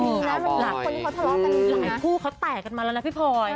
คนที่เค้าทะเลาะกันหลายผู้เค้าแต่กันมาแล้วนะพี่พลอย